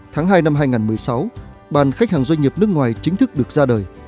tháng hai năm hai nghìn một mươi sáu bàn khách hàng doanh nghiệp nước ngoài chính thức được ra đời